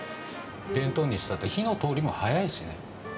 弁当にしたって、火の通りも早いしね。